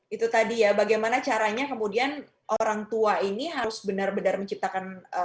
itu tadi ya bagaimana caranya kemudian orang tua ini harus benar benar menciptakan